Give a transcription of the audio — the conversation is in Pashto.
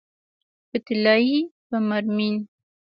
په طلایې، په مرمرین